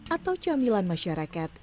atau camilan masyarakat